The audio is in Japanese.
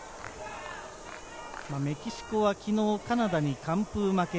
メキシコは昨日カナダに完封負け。